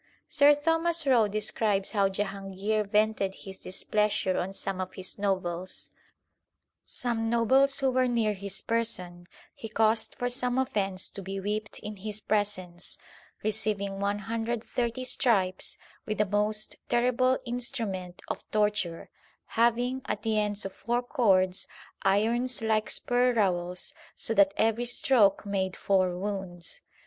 Sir Thomas Roe describes how Jahangir vented his dis pleasure on some of his nobles : Some nobles who were xlvi THE SIKH RELIGION near his person he caused for some offence to be whipped in his presence, receiving 130 stripes with a most terrible instrument of torture, having, at the ends of four cords irons like spur rowels, so that every stroke made four wounds.